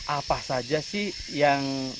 apa saja sih yang